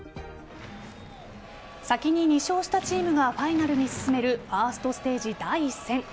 先に２勝したチームがファイナルに進めるファーストステージ第１戦。